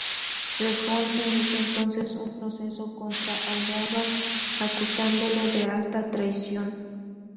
Rejón inicia entonces un proceso contra Algaba, acusándolo de alta traición.